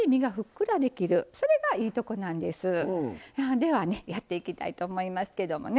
ではねやっていきたいと思いますけどもね